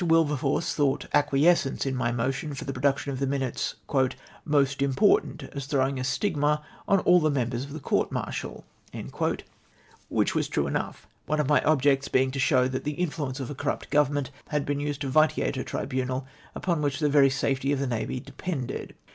Wil berforce thought acquiescence in my motion for tlie production of the minutes " most important, as throw ing a stigma on all the members of the cowt martial;'' which was true enough, one of my objects being to show that the influence of a corrupt government had been used to vitiate a tribunal upon which the very safety of the Navy depended.